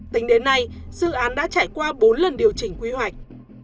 tính đến nay dự án đã trải qua bốn lần điều chỉnh quy hoạch